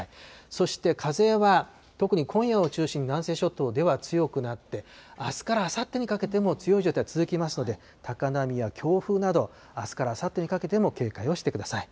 そして風は、特に今夜を中心に南西諸島では強くなって、あすからあさってにかけても強い状態続きますので、高波や強風など、あすからあさってにかけても警戒をしてください。